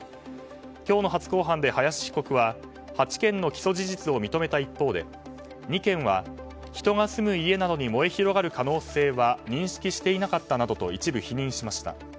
今日の初公判で林被告は８件の起訴事実を認めた一方で２件は、人が住む家などに燃え広がる可能性は認識していなかったなどと一部否認しました。